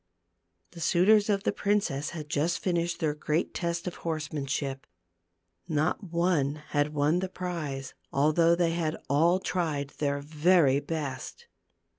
The suitors of the prin ^ cess had just finished their great test of horse manship. Not one had won the prize, although they had all tried their i very best.